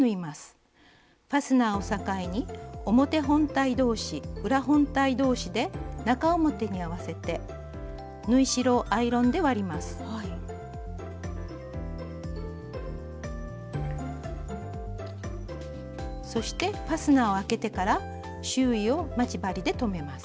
ファスナーを境に表本体同士裏本体同士で中表に合わせてそしてファスナーを開けてから周囲を待ち針で留めます。